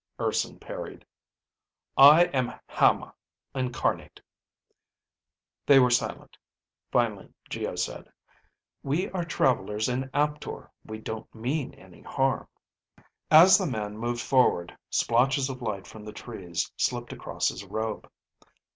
Urson parried. "I am Hama Incarnate." They were silent. Finally Geo said, "We are travelers in Aptor. We don't mean any harm." As the man moved forward, splotches of light from the trees slipped across his robe.